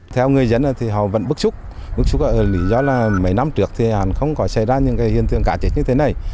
theo người dân thì họ vẫn bức xúc bức xúc lý do là mấy năm trước thì hạn không có xảy ra những hiện tượng cá chết như thế này